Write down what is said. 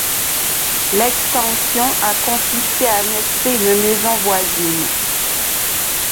L'extension a consisté à annexer une maison voisine.